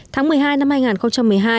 tháng một mươi hai năm hai nghìn một mươi hai